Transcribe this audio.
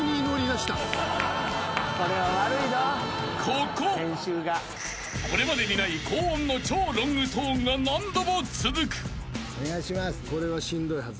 ［これまでにない高音の超ロングトーンが何度も続く］